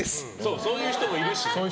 そういう人もいるし。